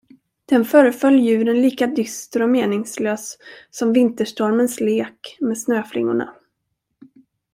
Den föreföll djuren lika dyster och meningslös som vinterstormens lek med snöflingorna.